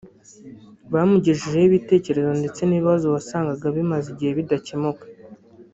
bamugejejeho ibitekerezo ndetse n’ibibazo wasangaga bimaze igihe bidakemuka